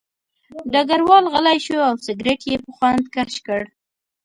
ډګروال غلی شو او سګرټ یې په خوند کش کړ